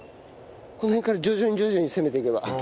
この辺から徐々に徐々に攻めていけば。